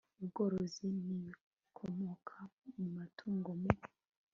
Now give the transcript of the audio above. ubworozi n ibikomoka ku matungo mu